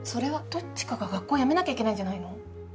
どっちかが学校辞めなきゃいけないんじゃないの？